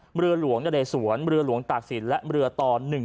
เมลือหลวงนรายสวนเมลือหลวงตากศีลและเมลือตอ๑๑๓